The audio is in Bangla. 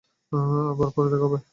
আবার পরে দেখা হবে।